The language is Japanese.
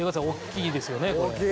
「大きいですよねこれ」